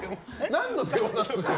何の電話なんですか？